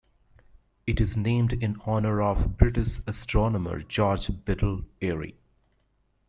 It is named in honour of British astronomer George Biddell Airy.